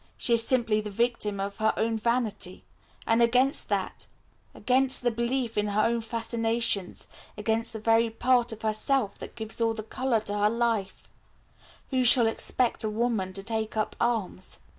She is simply the victim of her own vanity, and against that, against the belief in her own fascinations, against the very part of herself that gives all the colour to her life, who shall expect a woman to take up arms?"